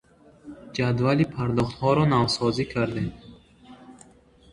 Ҷадвали пардохтҳоро навсозӣ кардем.